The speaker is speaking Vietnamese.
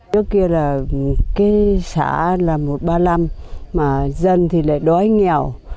trước kia là cái xã là một trăm ba mươi năm mà dân thì lại đói nghèo